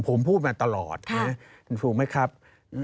ผมพูดมาตลอดนะฮะถูกไหมครับค่ะ